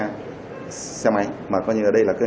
là phía sau gáy mặc dù đã bị cháy rất nhiều